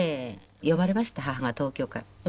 呼ばれました母が東京から。